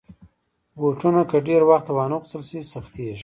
بوټونه که ډېر وخته وانهغوستل شي، سختېږي.